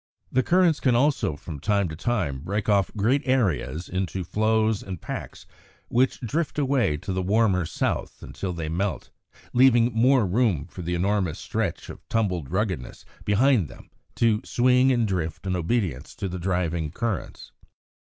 The currents can also, from time to time, break off great areas into floes and packs which drift away to the warmer South until they melt, leaving more room for the enormous stretch of tumbled ruggedness behind them to swing and drift in obedience to the driving currents.